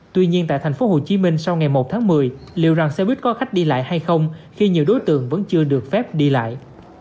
tuy nhiên tại thành phố hồ chí minh sau ngày một tháng một mươi liệu rằng xe buýt có khách đi lại hay không khi nhiều đối tượng vẫn chưa được phép đi lại